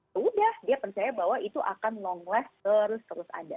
sudah dia percaya bahwa itu akan long less terus terus ada